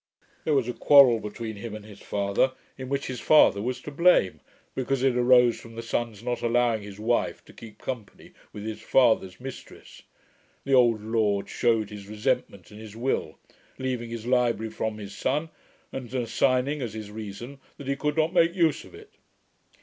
There was a quarrel between him and his father, in which his father was to blame; because it arose from the son's not allowing his wife to keep company with his father's mistress. The old lord shewed his resentment in his will leaving his library from his son, and assigning, as his reason, that he could not make use of it.'